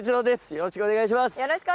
よろしくお願いします